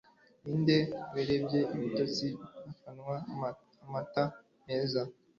Ninde warebye ibitotsi akanywa n'amata meza